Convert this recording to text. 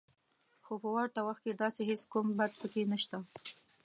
خو په ورته وخت کې داسې هېڅ کوم بد پکې نشته